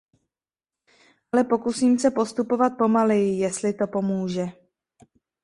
Ale pokusím se postupovat pomaleji, jestli to pomůže.